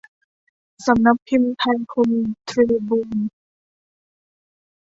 สำนักพิมพ์ไทยคมทรีบูน